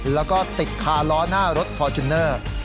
แล้วก็ติดคาล้อหน้ารถฟอร์จูเนอร์